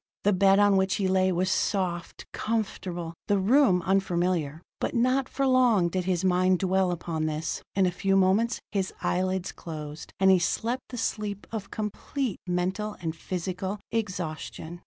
The bed on which he lay was soft, comfortable; the room, unfamiliar. But not for long did his mind dwell upon this; in a few moments his eyelids closed, and he slept the sleep of complete mental and physical exhaustion.